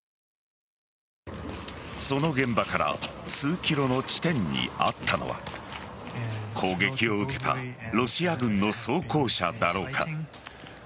その現場から数ｋｍの地点にあったのは攻撃を受けたロシア軍の装甲車だろうか。